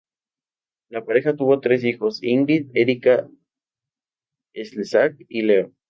La pareja tuvo tres hijos: Ingrid, Erika Slezak, y Leo.